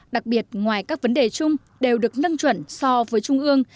đặc biệt ngoài các vấn đề chung đều được nâng chuẩn so với trung ương